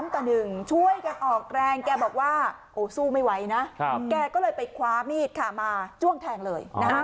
ช่วยกันออกแรงแกบอกว่าสู้ไม่ไหวนะแกก็เลยไปคว้ามีดค่ะมาจ้วงแทงเลย